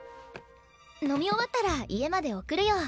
飲み終わったら家まで送るよ。